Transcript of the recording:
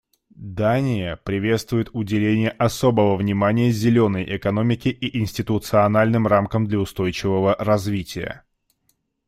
Дания приветствует уделение особого внимания «зеленой» экономике и институциональным рамкам для устойчивого развития.